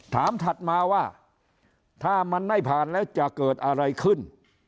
ถัดมาว่าถ้ามันไม่ผ่านแล้วจะเกิดอะไรขึ้น